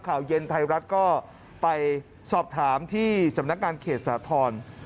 ข่าวเย็นไทยรัฐก็ไปสอบถามที่สำนักงานเขตสาธรณ์